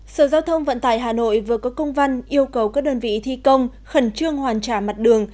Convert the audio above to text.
sở giao thông vận tải hà nội vừa có công văn yêu cầu các đơn vị thi công khẩn trương hoàn trả mặt đường